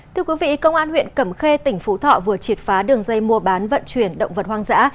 thưa quý vị công an huyện cẩm khê tỉnh phú thọ vừa triệt phá đường dây mua bán vận chuyển động vật hoang dã